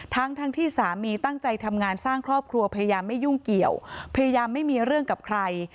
ทั้งทั้งที่สามีตั้งใจทำงานสร้างครอบครัวพยายามไม่ยุ่งเกี่ยวพยายามไม่มีเรื่องกับใคร